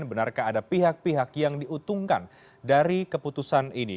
benarkah ada pihak pihak yang diuntungkan dari keputusan ini